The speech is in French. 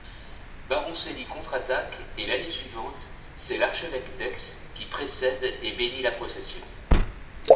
Baroncelli contre-attaque et l'année suivante, c'est l'archevêque d’Aix qui précède et bénit la procession.